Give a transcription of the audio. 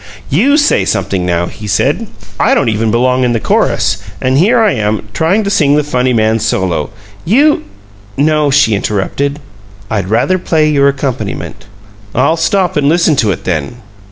"YOU say something now," he said. "I don't even belong in the chorus, and here I am, trying to sing the funny man's solo! You " "No," she interrupted. "I'd rather play your accompaniment." "I'll stop and listen to it, then."